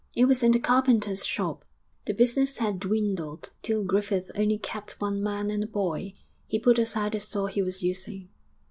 It was in the carpenter's shop; the business had dwindled till Griffith only kept one man and a boy; he put aside the saw he was using.